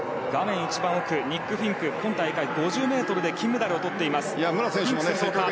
ニック・フィンクは今大会５０ｍで金メダルをとっています。